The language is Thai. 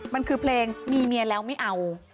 มันคือเพลงมีเมียแล้วไม่เอา